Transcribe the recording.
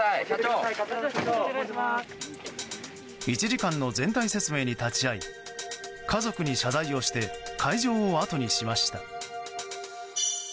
１時間の全体説明に立ち会い家族に謝罪をして会場をあとにしました。